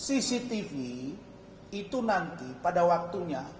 cctv itu nanti pada waktunya